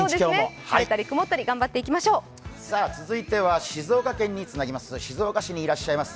続いては静岡県につなぎます。